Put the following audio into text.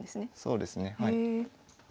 そうですねはい。